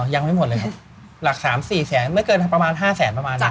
ยังไม่หมดเลยครับหลักสามสี่แสนไม่เกินประมาณ๕แสนประมาณนั้น